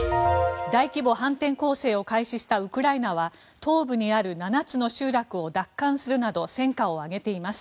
大規模反転攻勢を開始したウクライナは東部にある７つの集落を奪還するなど戦果を上げています。